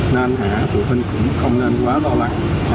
nên hả tụi mình cũng không nên quá lo lắng